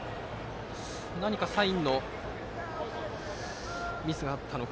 何かサインのミスがあったのか。